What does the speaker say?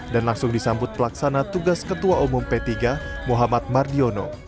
dan langsung disambut pelaksana tugas ketua umum p tiga muhammad mardiono